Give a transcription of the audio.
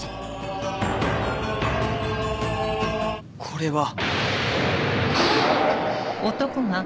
これは。